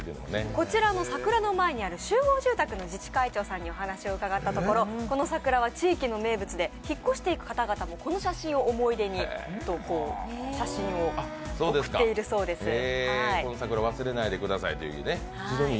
こちらの桜の前にある集合住宅の自治会長さんにお話を伺ったところこの桜は地域の名物で引っ越していく方々もこの写真を思い出にと写真を送っているそうです。